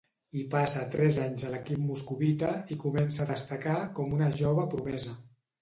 Hi passa tres anys a l'equip moscovita i comença a destacar com una jove promesa.